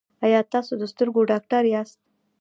ایا تاسو د سترګو ډاکټر یاست؟